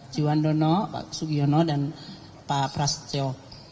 jiwandono pak sugiono dan pak prasetyo